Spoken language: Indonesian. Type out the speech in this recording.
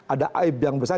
ada aib yang besar